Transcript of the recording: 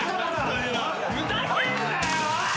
ふざけんなよおい！